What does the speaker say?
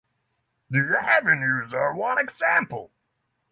The Avenues are one example.